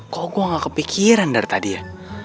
kok gue gak kepikiran dari tadi ya